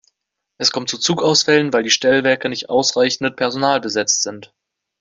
Es kommt zu Zugausfällen, weil die Stellwerke nicht ausreichend mit Personal besetzt sind.